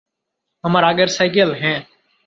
আমার আগের সাইকেল, হ্যাঁ।